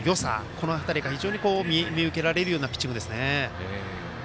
この辺りが非常に見受けられるようなピッチングですね。